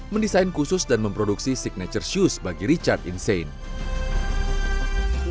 mendesain khusus dan memproduksi signature shoes bagi richard insane